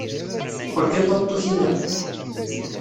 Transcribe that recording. Mmuqqel kan tameṭṭut-inna!